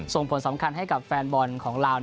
ส่งผลสำคัญให้กับแฟนบอลของลาว